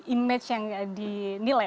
image yang dinilai